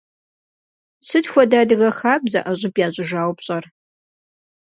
Сыт хуэдэ адыгэ хабзэ ӏэщӏыб ящӏыжауэ пщӏэр?